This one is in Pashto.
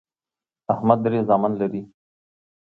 احمد درې زامن لري